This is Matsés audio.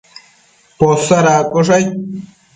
Posadaccosh aid